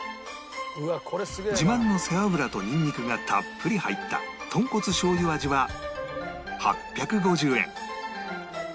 自慢の背脂とニンニクがたっぷり入った豚骨醤油味は８５０円